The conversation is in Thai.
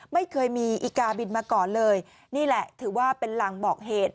ไม่เคยมีอีกาบินมาก่อนเลยนี่แหละถือว่าเป็นลางบอกเหตุ